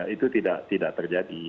itu tidak terjadi